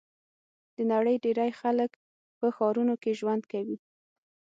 د نړۍ ډېری خلک په ښارونو کې ژوند کوي.